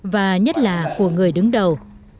và nhất là của người đứng đầu